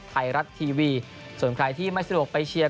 ไทยรัฐทีวีส่วนใครที่ไม่สะดวกไปเชียร์